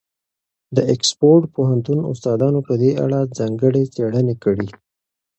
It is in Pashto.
د اکسفورډ پوهنتون استادانو په دې اړه ځانګړې څېړنې کړي.